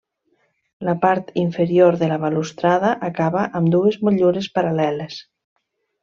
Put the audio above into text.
La part inferior de la balustrada acaba amb dues motllures paral·leles.